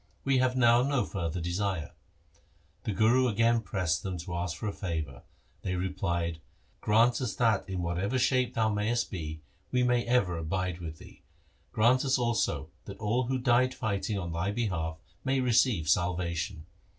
We have now no further desire.' The Guru again pressed them to ask for a favour. They replied, ' Grant us that in whatever shape thou mayest be, we may ever abide with thee. Grant us also that all who die fighting on thy behalf may receive salvation.'